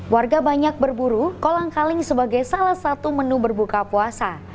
warga banyak berburu kolang kaling sebagai salah satu menu berbuka puasa